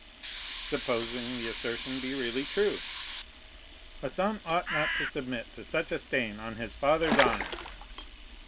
"Supposing the assertion to be really true?" "A son ought not to submit to such a stain on his father's honor."